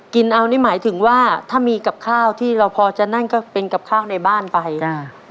กินเอานี่หมายถึงว่าถ้ามีกับข้าวที่เราพอจะนั่งก็เป็นกับข้าวในบ้านไปจ้ะ